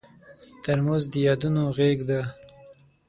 ترموز د یادونو غېږ ده.